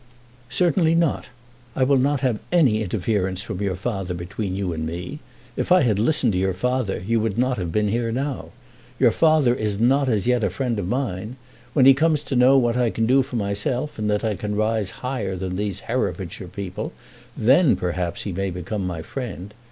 "Certainly not. I will not have any interference from your father between you and me. If I had listened to your father, you would not have been here now. Your father is not as yet a friend of mine. When he comes to know what I can do for myself, and that I can rise higher than these Herefordshire people, then perhaps he may become my friend.